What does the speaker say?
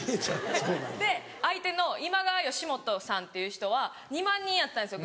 相手の今川義元さんっていう人は２万人やったんですよ